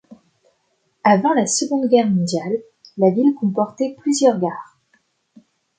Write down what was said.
Avant la Seconde Guerre mondiale, la ville comportait plusieurs gares.